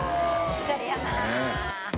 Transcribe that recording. おしゃれやな。